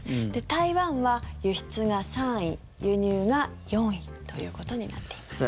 台湾は輸出が３位輸入が４位ということになっています。